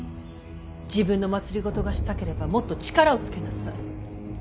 自分の政がしたければもっと力をつけなさい。